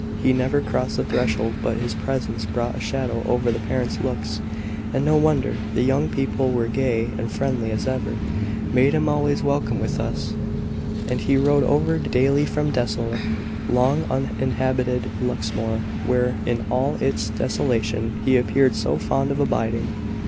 He never crossed the threshold but his presence brought a shadow over the parents' looks and no wonder. The young people were gay and friendly as ever; made him always welcome with us; and he rode over daily from desolate, long uninhabited Luxmore, where, in all its desolation, he appeared so fond of abiding.